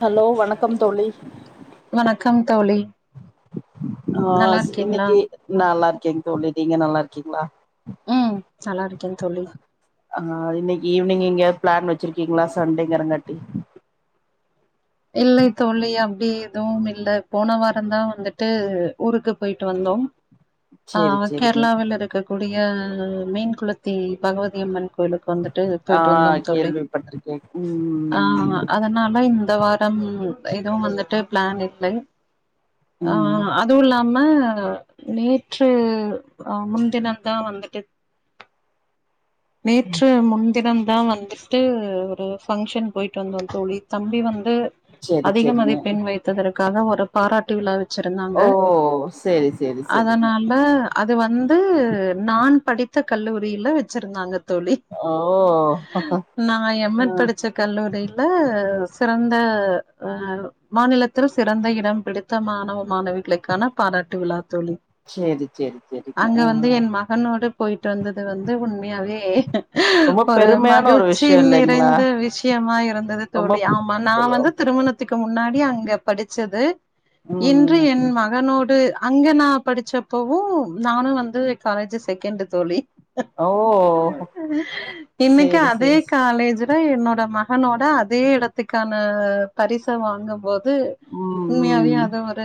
hello வணக்கம் தோழி வணக்கம் தோழி ஆ நல்லா இருக்கீங்களா இன்னிக்கு நல்லார் கே தோழி நீங்க நல்லாருக்கீங்களா ம்.... நல்லா இருக்கே தோழி ஆ இன்னிக்கு ஈவினிங் கியா பிளான் வச்சிருக்கீங்களா சண்டேங்கிரங்காட்டி இல்லை தோழி அப்பிடி எதுவு இல்ல போன வாரோதா வந்துட்டு ஊருக்கு போயிட்டு வந்தோ ஆ சேரி சேரிங்க கேரளாவில இருக்க கூ டியா மீன் குளத்தி பகவதியம்மன் கோயிலுக்கு வந்துட்டு ஆ போயிட்டு வந்தோ தோழி கேள்விப்பட்டிருக்கேன் ஆ ம் அதனால இந்த வா ம் எதுவோ வந்துட்டு பிளான் இல்லை ஆ ம் அதுவு இல்லாமா மா நேற்று ஆ முன்தினம் தா வந்துட்டு நேற்று முன்தினம் தா வந்துட்டு ஒரு ஃபங்க்ஷன் போயிட்டு வந்தோம் தோழி தம்பி வந்து சேரி அதிக சேரிங்க மதிப்பெண் வைத்ததற்க க்காக ஒரு பாராட்டு விழா வச்சிருந்தாங்க ஓ சேரி சேரி சேரிங்க அதனால அது வந்து நான் படித்த கல்லூரியில வச்சிருந்தாக தோழி ஓ ஆ நா எம் எட் படிச்ச கல்லூரியில சிறந்த... மாநிலத்தில சிறந்த இடம் பிடித்த மாணவ மாணவிகளுக்கான பாராட்டு விழா தோழி சேரி சேரி சேரிங்க அங்க ஆ வந்து என் மகனோடு போயிட்டு வந்தது வந்து உன் உண்மையாவே ரொம்ப ஒரு பெருமையான ஒரு மகிழ்ச்சி விஷயம் இல்லைங்களா நிறைந்த விஷயமா இருந்தது தோழி ஆமா நா ரொம்ப வந்து மூனத்துக்கு முன்னாடி அங்க படிச்சது இன்று என் ம் மகனோடு அங்க நா படிச்சப்பவு நானு வந்து காலேஜ் செகண்டு தோழி ஓ இன்னைக்கு சேரி அதே சேரி காலேஜ் அதா என்னோட மகனோட அதே இடத்துக்கான பரிசா வாங்க போது ம் இது உண்மையாவே ம் அது ஒரு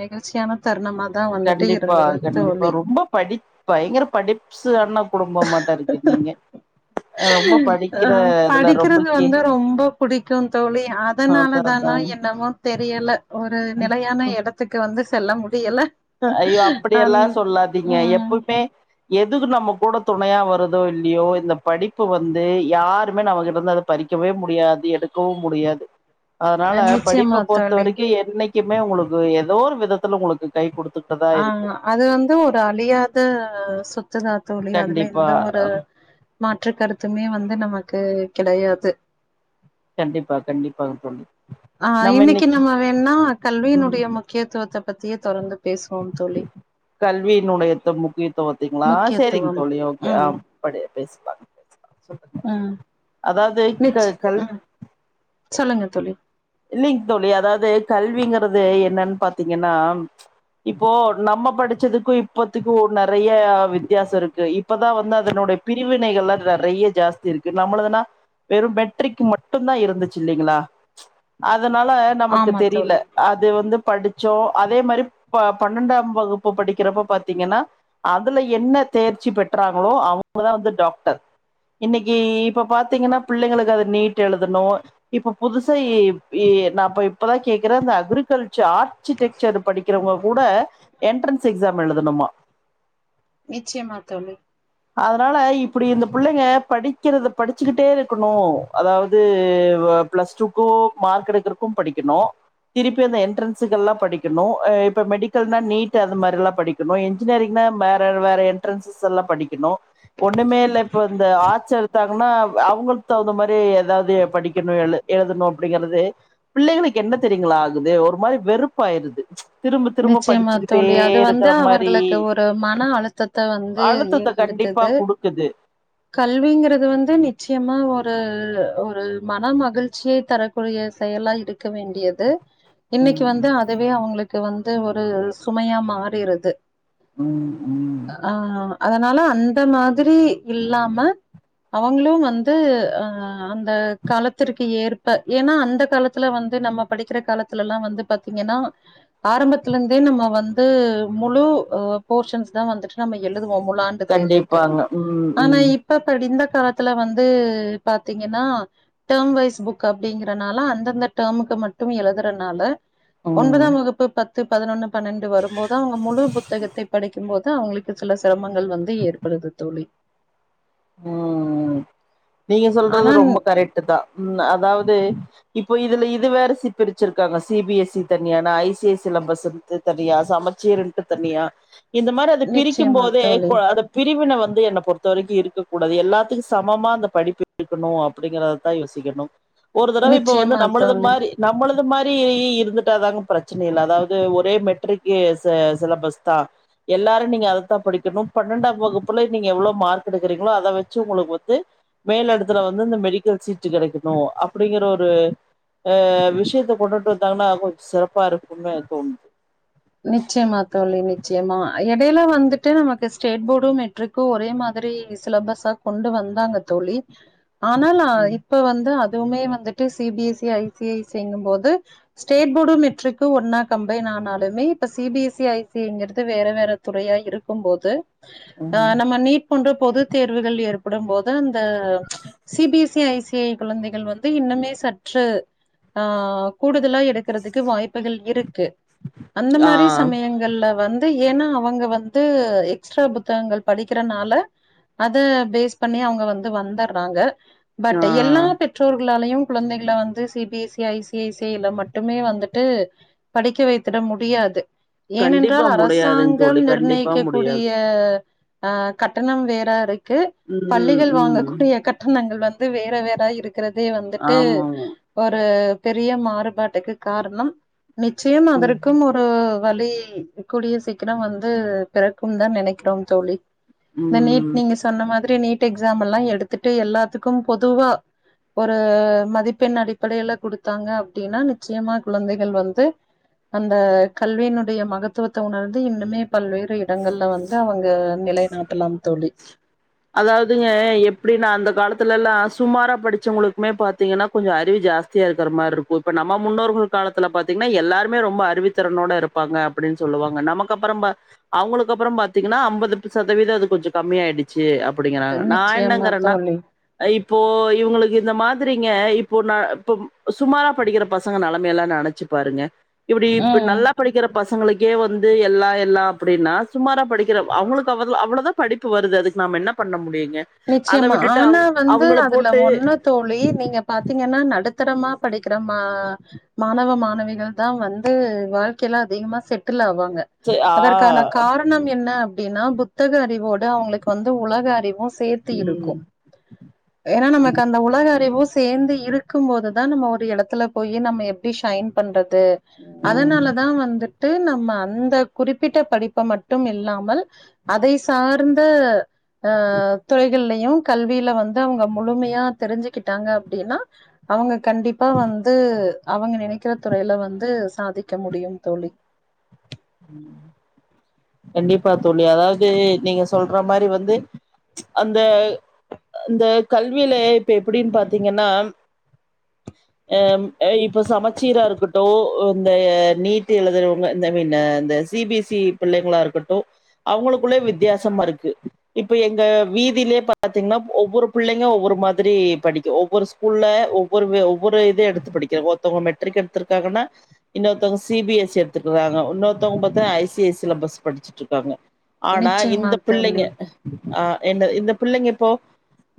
நெகிழ்ச்சியான தரனுமா கண்டிப்பா கண்டிப்பா ரொம்ப படிப் பயங்கர படிப்சு ஆனா ரொம்ப ஆ படிக்கிற இதுல ரொம்ப படிக்கிறது கீ வந்து ரொம்ப பிடிக்கும் தோழி அதா அதனாலதானா அதாங் என்னமோ தெரியல ஒரு நிலையான எடத்துக்கு வந்து இதில்லா முடியல்ல அய்யோ அப்படிய எல்லா சொல்லாதீங்க ம் எப்பவுமே எதுக்கு நம்ம கூட துணையா வருதோ இல்லையோ இந்த படிப்பு வந்து யாருமே நமகிட்ட இருந்து அத பறிக்கவே முடியாது எடுக்கவு முடியாது அதனால நிச்சயமா படிப்ப பொறுத்த தோழி வரைக்கு என்னை மே உங்களுக்கு ஏதோ ஒரு விதத்துல உங்களுக்கு கை கொடுத்து ஆ அது வந்து ஒரு அழியாத சொத் துதா தோழி அதுல கண்டிப்பா எந்த ஒரு மாற்று கருத்துமே வந்து நமக்கு கெடையாது கண்டிப்பா கண்டிப்பாங் தோழி ஆ இன்னைக்கு நம்ம வேணுனா கல்வியினுடைய முக்கியத்துவத்த பத்திய தொடர்ந்து பேசுவோம் தோழி கல்வியினுடையத்த முக்கியத்துவத்தைங்களா சேரிங் முக்கியத்துவம் தோழி ஓகே ஆ ம் படி பேசு ம் [inaudible] அதாவது க நிச் கல் ம் சொல்லுங்க தோழி இல்லைங்க தோழி அதாவது கல்விங்குறது என்னன் பாத்தீங்கன்னா இப்போ நம்ம படிச்சதுக்கு இப்பத்துக்கு நறைய வித்தியாசோ இருக்கு இப்பதா வந்து அதனுடைய பிரிவினைகள் எல்லா நறைய ஜாஸ்தி இருக்கு நம்மளதுனா வெறு மெட்ரிக்கு மட்டந்தா இருந்துச்சு இல்லைங்களா அதனால நமக்கு ஆமா தெரில தோழி அது வந்து படுச்சோ அதே மாரி ப பன்னெண்டாம் வகுப்பு படிக்குறப்ப பாத்தீங்கன்னா அதுல என்ன தேர்ச்சி பெற்றாங்களோ அவங்கதா வந்து டாக்டர் இன்னைக்கு இப்ப பாத்தீங்கன்னா பிள்ளைங்களுக்கு அது நீட் எழுதணு இப்ப புதுசா எவ் [unintelligible] நா அப்ப இப்பதா கேக்குற அந்த அக்ரிகல்ச்சர் ஆர்சிடெக்சரு படிக்குறவங்க கூட என்ட்ரன்ஸ் எக்ஸாம் எழுதணுமா நிச்சயம்மா தோழி அதனால இப்புடி இந்த புள்ளைங்க படிக்குறத படுச்சுக்கிட்டே இருக்கணு அதாவது பிளஸ் டூக்கு மார்க் எடுக்குறக்கும் படிக்கணு திருப்பி அந்த எட்ரன்ஸுகெல்லா படிக்கணு இப்ப மெடிக்கல்னா நீட் அந்த மாரி எல்லா படிக்கணு இன்ஜினியரிங்னா வேற வேற என்ட்ரன்ஸஸ் எல்லா படிக்கணு ஒண்ணுமே இல்ல இப்ப இந்த ஆச்சல் எடுத்தாங்கன்னா அவங்களுக்கு தகுந்த மாரி எதாவது படிக்கணு எழு எழுதணும் அப்டிங்குறது புள்ளைங்களுக்கு என்ன தெரியுங்களா ஆகுது ஒரு மாரி வெறுப்பாயிடுது நிச்சயமா தோழி அது வந்து மாரி அவர்களுக்கு ஒரு மன அழுத்தத்த வந்து அழுத்தத்த கண்டிப்பா ஏற்படுத்துது குடுக்குது கல்விங்குறது வந்து நிச்சயமா ஒரு ரு ஒரு மனம் மகிழ்ச்சியை தரக்கூடிய செயலா இருக் க்க வேண்டியது இன்னிக்கு ம் வந்து அதுவே அவங்களுக் து வந்து ஒரு சுமையா மாறிருது ம் ம் ஆ அதனால அந்த மாதிரி இல்லாம அவங்களு வந்து அ அந்த காலத்திற்கு ஏற்ப ஏன்னா அந்த காலத்துல வந்து நம்ம படிக்குற காலத்துல எல்லா வந்து பாத்தீங்கன்னா ஆரம்பத்துல இருந்தே நம்ம வந்து முழு போர்ஷன்ஸ் தா வந்துட்டு நம்ம எழுது வோ முழாண்டு தேர்வுக்கு கண்டிப்பாங்க ம் ஆனா ம் இப்பப்படிந்த இந்த காலத்துல வந்து பாத்தீங்கன்னா டேர்ம் வைஸ் புக் அப்டிங்கறனால அந்தந்த டேர்முக்கு மட்டுமே எழுதுறனால ம் ஒன்பதாம் வகுப்பு பத்து பதினொன்னு பன்னெண்டு வரும்போது அவங்க முழு புத்தகத்தை படிக்கும்போது த்து அவங்களுக்கு சில சிரமங்கள் வந்து ஏற்படுது தோழி ம் நீங்க சொல்றது ஆனா ரொம்ப கரெக்ட்டுதா ம் அதாவது இப்போ இதுல இது வேற சிப்பிச்சிருக்காங்க சிபி எஸ் சி தனியானா ஐசி ஐசி சிலம்பஸ்து தனியா சமச்சீர்ன்ட்டு தனியா இந்த மாரி அத பிரிகும் நிச்சயமா போதே தோழி கொழ அத பிரிவின வ வந்து என்ன பொறுதவரகும் இருக்க கூடாது எல்லாத்துக்கும் சமமா அந்த படிப்பு இருக்கணு அப்டிங்கறத தா யோசிக்கணு ஒரு தடவ இப்போ வந்து நிச்சயமா நம்ளுது தோழி மாரி நம்ளுது அந்த மாரி இ இ இருந்துடாதாங்க பிரசினி இல்ல அதாவது ஒரே மெட்ரிக்கு ச சிலபஸ்தா எல்லாரு நீங்க அததா படிகணு பன்னென்டாம் வகுப்புல நீங்க எவ்ளோ மார்க் எடுக்றீங்களோ அத வச்சு உங்ளுக் வந்து மேல் எடதுல வந்து இந்த மெடிகல் சீட் கெடைகணு அப்டிங்கற ஒரு அ விஷ்யத்த கொண்டுட்டு வந்தாங்கனா கொஞ்ச சிறப்பா இருக்குனு தோணுது நிச்சயமா தோழி நிச்சியமா எடேல வந்துட்டு நமக்கு ஸ்டேட் போர்டு மெட்ரிகும் ஒரே மாரி சிலபஸா கொண்டு வந்தாக தோழி ஆனாலா ம் இப்ப வந்து அத் துமே வந்துட்டு C B S C I சிங்கும் போது ஸ்டேட் போர்டு மெட்ரிக்கு ஒன்னா கம்பைன் ஆனாலுமே இப்ப C B S C I C ங்கறது வேற வேற துறையா இருக்கும் போது ஆ ம் நம்ம நீட் போன்ற பொது தேர்வுகள் ஏற்படும் போது அந் த C B S E I C ஏ குழந்தைகள் வந்து இன்னுமே சற்று ஆ கூடுதலா எடுக்கறதுக்கு வாய்புகள் இருக்கு அந்த ஆ மாரி சமயங்கள்ல வந் து ஏனா அவுங்க வந்து எக்ஸ்ட்ரா புத்தகங்கள் படிகறனால அத பேஸ் பண்ணி அவுங்க வந்து வந்துர்றாங்க ஆ பட் எல்லா பெற்றோர் எங்களாலையு குழந்தைகள வந்து C B S C I C I சில மட்டுமே வந்துட்டு படிக்க வைத்துட முட் டியாது கண்டிப்பா ஏனென்றால் முடியாதுங் அரசாங்கம் தோழி கண்டிப்பா நிர்ணயிக்க கூடிய முடியாது ஆ கட்டணம் வேறாரு க்கு ம் பள்ளிகள் ம் வாங்ககூடிய கட்டணங்கள் வந் இது வேற வேற இருக் க்கறதே வந்துட்டு ஆமாங்க ஒரு பெரிய மாறுபாட்டுக்கு காரணம் நிச்சயம் அதற் ம் ஒரு வலி கூடிய சீக்கிரம் வந்து பெறக்கும்னு தா நெனைக்கிறோ தோழி இந்த நீட் ம் நீங்க சொன்ன மாத் திரு நீட் எக்ஸாமல்லா எடுத்துட்டு எல்லாதுக்கும் பொதுவா ஒரு மதிபெண் அடிப்படையில குடுதாங்க அப்டினா நிச்சயமா குழந்தைகள் வந்து அந்த கல்வியினுடைய மகத்துவத உணர்ந்து இன்னுமே பல்வேறு இடங்கள்ல வந்து அவுங்க நிலைநாட்டலாம் தோழி அதாவதுங்க எப்டினா அந்த காலத்தல்லா சுமாரா படிசவுங்களுகுமே பாத்தீங்கனா கொஞ்ச அறிவு ஜாஸ்தியா இருக்ற மாரி இருக்கு இப்ப நம்ம முன்னோர்கள் காலத்ல பாத்தீங்கனா எல்லாருமே ரொம்ப அறிவுதிறனோட இருப்பாங்க அப்டினு சொல்லுவாங்க நமக்கு அப்புற அவுங்களுக்கு அப்புற பாத்தீங்கனா அம்பது சதவீத அது கொஞ்சோ கம்மிய ஆயிச்சு செ அப் அப்டிங்கறாங்க நா நிச்சயமா என்னங்கறனா தோழி இப்ப இப்போ இவுங்களுக்கு இந்த மாதிரிங்க இப்போ ந இப்ப சுமாரா படிக்கிற பசங்க நெலமயெல்லா நெனச்சு பாருங்க இப்டி இப்ப ம் நல்லா படிக்கிற பச உங்களுக்கே வந்து எல்லா எல்லா அப்டின்னா சுமாரா படிக்கிற அவுங்களுக்கு அவ்வளதா படிப்பு வருது அது நாம என்ன பண்ண முடியு நிச்சயமா ஆனா வந்து அதுல போட்டு ஒன்னு தோழி நீங்க பாத்தீங்கன்னா நடத்து உத்திரமா படிக்கிற மா மாணவ மாணவிகள் தான் வந்து வாழ்க்கையில அதிகமா செட்டில் ஆவாங்க ஆ அதற்கான காரணம் என்ன அப்டின்னா புத்தக அறிவோடு அவுங்களுக்கு வந்து உலக அறிவு சேர்த்தி இருக்கு ம் ஏன்னா நமக்கு அந்த உலக அறிவும் சேர்ந்து இருக்கும் போது தான் நம்ம ஒரு இடத்துல போய் நம்ம எப்டி ஷைன் பண்றது இது அதனாலதா வந்துட்டு நம்ம அந்த குறிப்பிட்ட படிப்ப மட்டும் இல்லாமல் அதை சார்ந்த ஆ துறைகள்லயு கல்வியில வந்து அவுங்க முழுமையா தெரிஞ்சுக்கிட்டாங்கனா அப்டின்னா அவுங்க கண்டிப்பா வந்து அவுங்க நினைக்கிற துறையில வந்து சாதிக்க முடியும் தோழி ம் கண்டிப்பா தோழி அதாவது நீங்க சொல்ற மாரி வந்து அந்த அ கல்வியில இப்ப எப்டின்னு பாத்தீங்கன்னா அ இப்ப சமச்சீரா இருக்கட்டு இந்த நீட்டு எழுதுறவுங்க இந்த மீன் இந்த சி பி எஸ் சி பிள்ளைங்களா இருக்கட்டு அவுங்களுக்குள்ள வித்தியாசமா இருக்கு இப்ப எங்க வீதியிலேயே பாத்தீங்கனா ஒவ்வொரு புள்ளைங்க ஒவ்வொரு மாதிரி படிக்கு ஒவ்வொரு ஸ்கூல்ல ஒவ்வொரு ஒவ்வொரு இது எடுத்து படிக்கிற ஒருத்தவங்க மெட்ரிக் எடுத்திருக்காங்கன்னா இன்னோருத்தவங்க சி பி எஸ் எடுத்துருக்காங்க இன்னொருத்தவங்க பாத்தங்க ஐ சி ஐ சிலபஸ் படிச்சுட்டு இருக்காங்க ஆனா நிச்சயமா இந்த பிள்ளைங்க தோழி ஆ என்ன இந்த பிள்ளைங்க இப்போ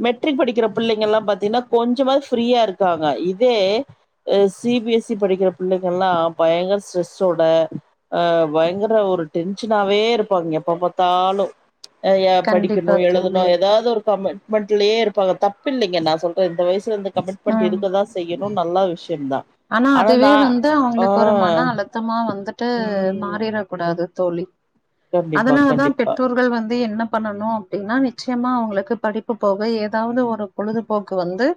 மெட்ரிக் படிக்கிற பிள்ளைங்களா எல்லாம் பாத்தீங்கன்னா கொஞ்சமா ஃப்ரீயா இருக்காங்க இதே சி பி எஸ் சி படிக்கிற பிள்ளைங்க எல்லா பயங்கர ஸ்ரெஸ்ஸோட அ பயங்கர ஒரு டென்ஷனாவே இருப்பாங்க எப்ப பாத்தாலு நெறயா படிக்கணு கண்டிப்பா எழுதணு தோழி ஏதாவது ஒரு கமெண்ட் மண்ட்லயே இருப்பாங்க தப்பு இல்லைங்க நா சொல்றே இந்த வயசுல இரு கமிட்மெண்ட் ம் இருக்கதா செய்யு இன்னு நல்லா விஷய ஆனா அதுவே வந்து அவுங்களுக்கு ஒரு மன அழுத்தமா வந்துட்டு து ம் மாறிறடக் கூடாது தோழி கண்டிப்பா அதனால தா கண்டிப்பா பெற்றோர்கள் வந்து என்ன பண்ணனு அப்டின்னா நிச்சயமா அவுங்களுக்கு படிப்பு போக எதாவ்து ஒரு பொழுதுபோக்கு வந்து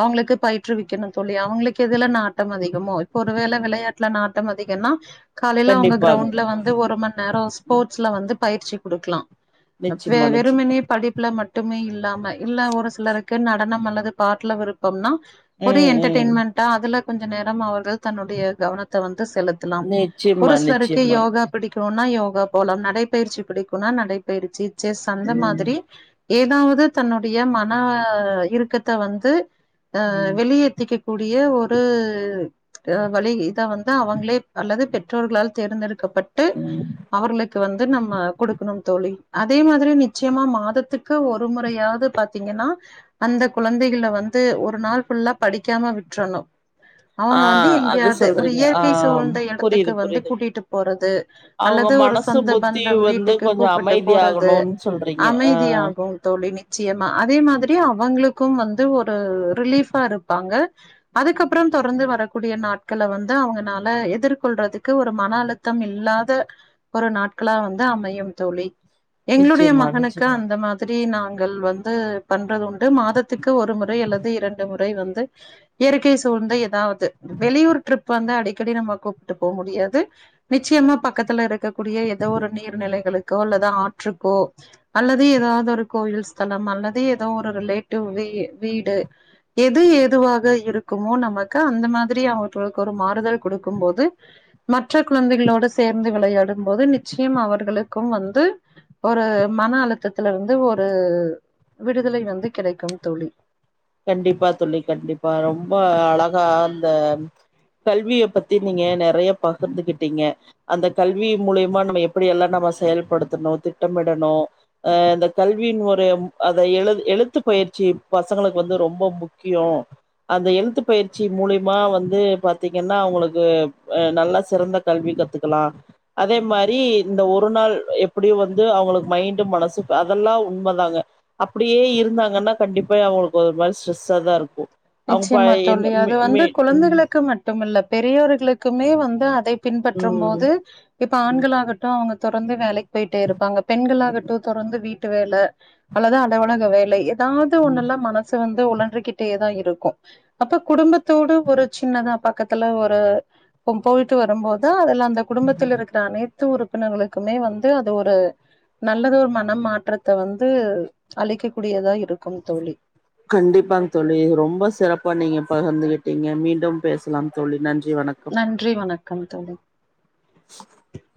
அவுங்களுக்கு பயிற்றுவிக்கனு தோழி அவுங்களுக்கு எதுல நாட் டம் அதிகமோ இப்ப ஒருவேள வெளயாட்ல நாட்டம் அதிகன்னா காலைல அவுங்க கண்டிப்பாங்க கிரௌண்ட்ல வந்து ஒரு மண் நேரொ ஸ்போர்ட்ஸ்ல வந்து பயிற்சி குடுக்லா நிச்சயமா [unintelligible] நிச்சயமா வெறுமனே படிப்புல மட் டுமே இல்லாம இல்ல ஒரு சிலருக்கு நடனம் அல்லது பாட்டுல விருப்பம்னா ஒரு ம் ம் என்டர்டயின்மெண்டா அதுல கொஞ்ச நேரம் ஆவது தன்னுடைய கவனத்த வந்து செலுத்தலாம் ஒரு நிச்சயமா சிலருக்கு நிச்சயமா யோகா பிடிக்குன்னா யோ கா போலாம் நடைபயிற்சி பிடிக்குன்னா நடைபயிற்சி செஸ் அந்த மாதிரி ஏதாவுது தன்னுடைய மன இருக்கத்த வந்து ஆ ம் வெளியேத்திக்க கூடிய ஒ ரு வழி இதா வந்து அவங்களே அல்லது பெற்றோர்களால் தேர்ந்தெடு க்கப்பட்டு அவர்களுக் கு வந்து நம்ம குடுக்கனும் தோழி அதே மாதிரி நிச்சயமா மாதத்துக்கு ஒரு முறையாவ்து பாத்தீங்கன்னா அந்த குழந்தைகள வந்து ஒரு நாள் ஃபுல்லா படிக்காம விட்றனு ஆ அவுங்க வந்து அது எங்யாது ஒரு சொல்றீங்க ஆ இயற்கை சூழ்ந்த எடத்துக்கு புரியுது வந்து புரியுது கூட்டிட்டு போறது அவங்க அல்லது ஒரு மனசு சொந்த புத்தி பந்தம் வந்து வீட்டுக்கு கொஞ்சோ கூப்புட்டு போறது அமைதியாகணுன் சொல்றீங்க ஆ அமைதியாகு தோழி நிச்சயமா அதே மாதிரி அவுங்ளுக்கும் வந் து ஒரு ரிலீஃபா இருப்பாங்க அதுக்கப் புறம் தொடர்ந்து வரக்கூடிய நாட்கள வந்து அவுங்கனால எதிர்கொள்றதுக்கு ஒரு மன அழுத்தம் இல்லாத ஒரு நாட்களா வந்து அமையும் தோழி எங்ளுடைய நிச்சயமா மகனுக்கு நிச்சயமா அந்த மாதி ரி நாங்கள் வந்து பண்றது உண் டு மாதத்துக்கு ஒரு முறை அல்லது இரண்டு மு றை வந்து இயற்கை சூழ்ந்த எதாவ து வெளியூர் ட்ரிப் வந்து அடி க்கடி நம்ம கூப்ட்டு போ முடியாது நிச்சயமா பக்கத்துல இரு க்கக்கூடிய எதோ ஒரு நீர்நிலைகளு க்கோ அல்லது ஆற்றுக்கோ அல்லது எதாவுது ஒரு கோயில் ஸ்தலம் அல்லது எதோ ஒரு ரிலேட்டிவ் வி வீடு எது ஏதுவாக இரு குமோ நமக்கு அந்த மாதிரி அவர்களுக்கு ஒரு மாறுதல் குடுக்கும் போது மத் மற்ற குழந்தைகளோடு சேர்ந்து விளையாடு டும் போது நிச்சயம் அவர்களுக்கு வந்து ஒரு மன அழுத்தத்துல வந்து ஒரு விடுதலை வந்து கிடைக்கும் தோழி கண்டிப்பா தோழி கண்டிப்பா ரொம்ப அழகா அந்த கல்விய பத்தி நீங்க நெறைய பகிர்ந்துகிட்டிங்க அந்த கல்வி மூலியமா நம்ம எப்பிடி எல்லா நம்ம செயல்படுத்தணு திட்டமிடணு அ இந்த கல்வியின் ஒரு அத எழு எழுத்து பயிற்சி பசங்களுக்கு வந்து ரொம்ப முக்கியோம் அந்த எழுத்து பயிற்சி மூலியமா வந்து பாத்தீங்கன்னா அவுங்களுக்கு நல்லா சிறந்த கல்வி கத்துக்கலாம் அதே மாரி இந்த ஒரு நாள் எப்புடி வந்து அவங்களுக்கு மைண்டு மனசு அதெல்லா உண்மதாங்க அப்பிடியே இருந்தாங்கன்னா கண்டிப்பா அவங்க ஒரு மாரி ஸ்ட்ரெஸ்ஸா தாருக்கு நிச்சயமா தோழி அது வந்து குழந்தைகளுக்கு மட்டுமில்ல பெரியவர்களுக்குமே வந்து அதை பின்பற்றும் ம் போது இப்ப ஆண்கள் ஆகட்டு அவுங்க தொடர்ந்து வேலைக்கு போய்டேருப்பாங்க பெண்கள் ஆகட்டு தொடர்ந்து வீட்டு வேல அல்லது அலுவலக வேலை தாது ஒன்னுல்லா மனசு வந்து ஒளறிக்கிட்டேதா இரு கோ அப்ப குடும்பத்தோடு ஒரு சின்னதா பக்கத்துல ஒரு போயிட்டு வரும்போது அதெல்லா அந்த குடும்பத்துல இருக்குற அனை து உறுப்பினர்களுக்குமே வந்து அது ஒரு நல்லது ஒரு மன மாற்றத்த வந்து அளிக்க கூடியதா இருக்கும் தோழி கண்டிப்பாங் தோழி இது ரொம்ப சிறப் பா நீங்க பகிர்ந்துகிடீங்க மீண்டும் பேசலா தோழி நன் நன்றி வணக் கம் தோழி [inaudible]